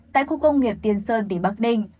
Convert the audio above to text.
tại khu công nghiệp tiên sơn tỉnh bắc ninh